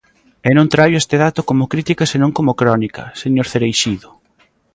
E non traio este dato como crítica senón como crónica, señor Cereixido.